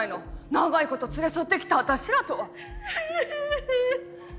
長いこと連れ添って来た私らとは。